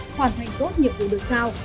hoàn thành tốt nhiệm vụ được sao